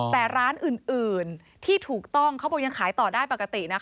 แต่ร้านอื่นที่ถูกต้องเขาบอกยังขายต่อได้ปกตินะคะ